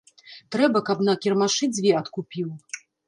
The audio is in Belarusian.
Трэба, каб на кірмашы дзве адкупіў.